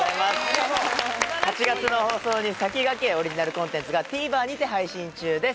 ８月の放送に先駆け、オリジナルコンテンツがＴＶｅｒにて配信中です。